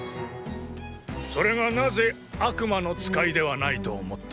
それがなぜ悪魔の使いではないと思った？